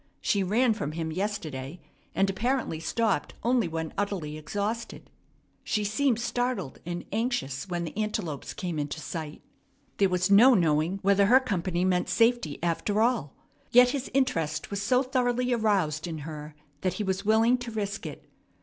She ran from him yesterday, and apparently stopped only when utterly exhausted. She seemed startled and anxious when the antelopes came into sight. There was no knowing whether her company meant safety, after all. Yet his interest was so thoroughly aroused in her that he was willing to risk it.